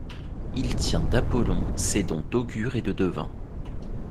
Il tient d'Apollon ses dons d'augure et de devin.